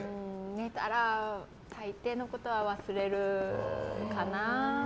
寝たらたいていのことは忘れるかな。